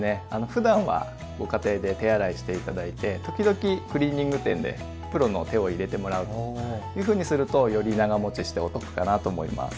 ふだんはご家庭で手洗いして頂いて時々クリーニング店でプロの手を入れてもらうというふうにするとより長もちしてお得かなと思います。